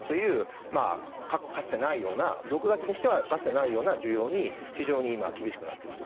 なので５２００という６月としてはかつてないような需要に非常に今厳しくなっていると。